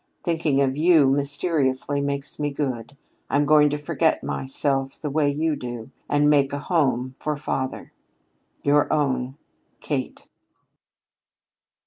Thinking of you mysteriously makes me good. I'm going to forget myself, the way you do, and 'make a home' for father. "Your own KATE."